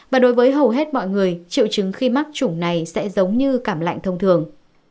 và đối với hầu hết mọi người triệu chứng khi mắc chủng này sẽ giống như cảm lạnh thông thường